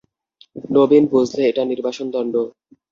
নবীন বুঝলে এটা নির্বাসনদণ্ড।